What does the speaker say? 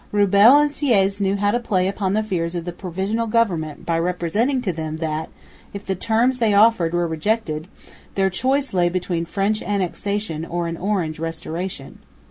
Rewbell and Siéyès knew how to play upon the fears of the Provisional Government by representing to them that, if the terms they offered were rejected, their choice lay between French annexation or an Orange restoration.